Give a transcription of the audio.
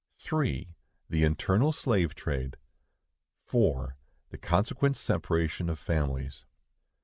3. The internal slave trade. 4. The consequent separation of families.